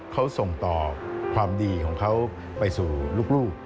เขาส่งต่อความดีของเขาไปสู่ลูก